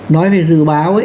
nói về dự báo